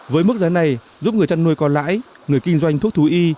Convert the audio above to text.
với mức giá này giúp người chăn nuôi có lãi người kinh doanh thuốc thú y